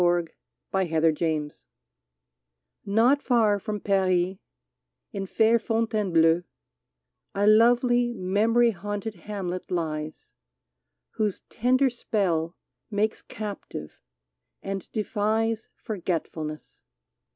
142 JEAN FRANCOIS MILLET "\ Tot far from Paris, in fair Fontainebleau, A lovely, memory haunted hamlet lies, Whose tender spell makes captive, and defies Forgetfulness.